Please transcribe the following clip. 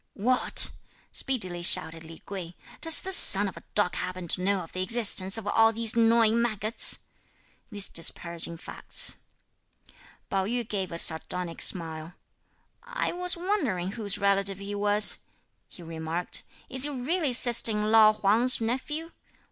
"What!" speedily shouted Li Kuei, "does this son of a dog happen to know of the existence of all these gnawing maggots?" (these disparaging facts). Pao yü gave a sardonic smile. "I was wondering whose relative he was," he remarked; "is he really sister in law Huang's nephew?